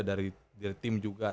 dari tim juga